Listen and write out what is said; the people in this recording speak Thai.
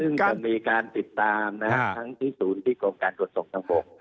ซึ่งจะมีการติดตามทั้งที่ศูนย์ที่โครงการตรวจส่งทั้ง๖